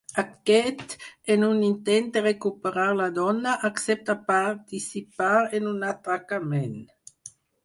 Aquest, en un intent de recuperar la dona, accepta participar en un atracament.